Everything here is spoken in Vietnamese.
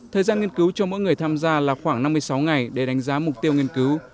thời gian nghiên cứu cho mỗi người tham gia là khoảng năm mươi sáu ngày để đánh giá mục tiêu nghiên cứu